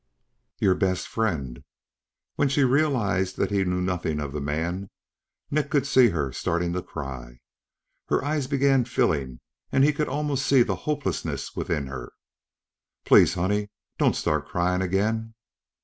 "Your best friend..." When she realized that he knew nothing of the man, Nick could see her starting to cry. Her eyes began filling and he could almost see the hopelessness within her. "Please, honey. Don't start crying again."